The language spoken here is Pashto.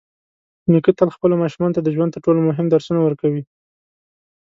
نیکه تل خپلو ماشومانو ته د ژوند تر ټولو مهم درسونه ورکوي.